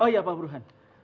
oh iya pak burhan